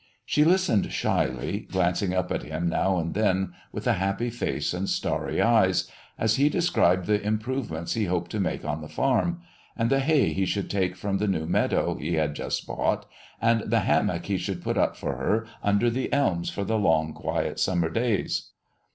She listened shyly, glancing up at him now and then with a happy face and starry eyes, as he described the improvements he hoped to make on the farm, and the hay he should take from the new meadow he had just bought, and the hammock he should put up for her under the elms for the long, quiet summer days.